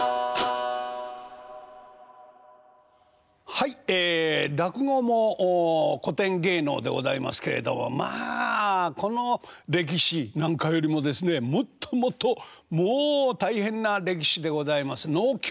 はいえ落語も古典芸能でございますけれどもまあこの歴史なんかよりもですねもっともっともう大変な歴史でございます能狂言すごい世界でございますな。